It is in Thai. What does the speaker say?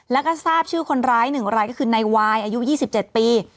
แล้วก็ทราบชื่อคนร้าย๑รายก็คือนายวายอายุ๒๗ปี